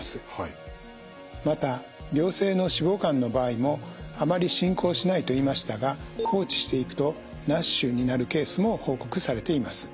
また良性の脂肪肝の場合もあまり進行しないと言いましたが放置していくとＮＡＳＨになるケースも報告されています。